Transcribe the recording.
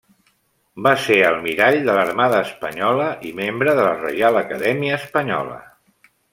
Va ser almirall de l'Armada Espanyola i membre de la Reial Acadèmia Espanyola.